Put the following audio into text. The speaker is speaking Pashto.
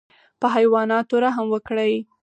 په حیواناتو رحم وکړئ